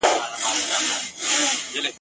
په کوهي کي لاندي څه کړې بې وطنه !.